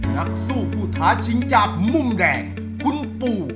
นักสู้ผู้ท้าชิงจากมุมแดงคุณปู่